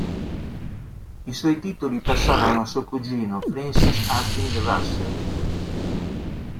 I suoi titoli passarono a suo cugino, Francis Hastings Russell.